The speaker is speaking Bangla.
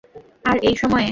আর এই সময়ে?